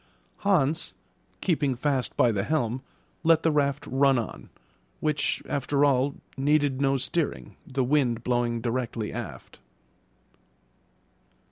Hans, keeping fast by the helm, let the raft run on, which, after all, needed no steering, the wind blowing directly aft.